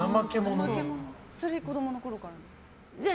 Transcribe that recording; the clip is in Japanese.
それは子供のころから？